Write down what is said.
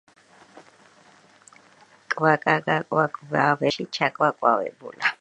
კვაკა გაკვაკებულა საკვაკაკეში ჩაკვაკაკებულა